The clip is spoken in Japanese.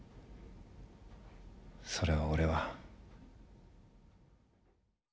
それを俺は。